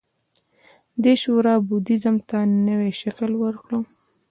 دې شورا بودیزم ته نوی شکل ورکړ